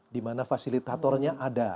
di mana fasilitatornya ada